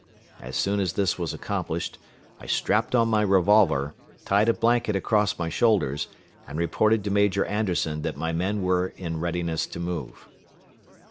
As soon as this was accomplished, I strapped on my revolver, tied a blanket across my shoulders, and reported to Major Anderson that my men were in readiness to move.